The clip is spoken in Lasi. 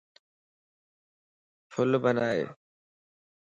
ڦل بنائي